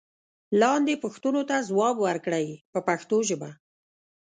لاندې پوښتنو ته ځواب ورکړئ په پښتو ژبه.